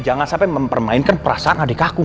jangan sampai mempermainkan perasaan adik kaku